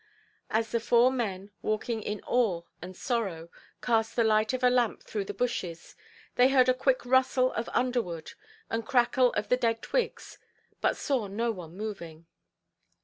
As the four men, walking in awe and sorrow, cast the light of a lamp through the bushes, they heard a quick rustle of underwood, and crackle of the dead twigs, but saw no one moving.